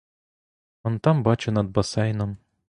Он там бачу над басейном.